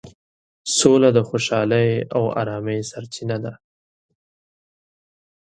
سوله د خوشحالۍ او ارامۍ سرچینه ده.